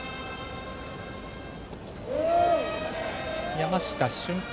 山下舜平